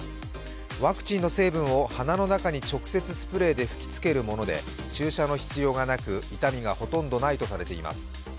ワクチンの成分を鼻の中に直接スプレーで吹きつけるもので注射の必要がなく痛みがほとんどないとされています。